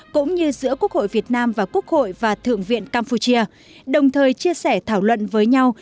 cũng như giữa quốc hội việt nam và quốc hội và thượng viện campuchia đồng thời chia sẻ thảo luận với nhau